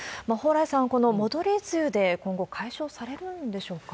蓬莱さん、この戻り梅雨で今後解消されるんでしょうか。